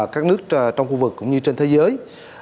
các nước trong khu vực cũng như trên thế giới